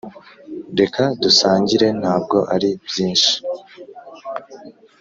Reka dusangire ntabwo ari byinshi